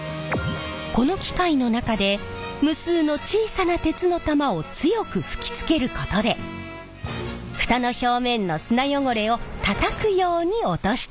この機械の中で無数の小さな鉄の玉を強く吹きつけることで蓋の表面の砂汚れをたたくように落としているんです。